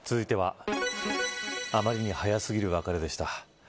続いてはあまりに早すぎる別れでした。